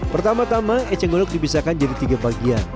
pertama tama eceng gondok dipisahkan jadi tiga bagian